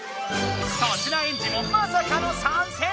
粗品エンジもまさかの参戦⁉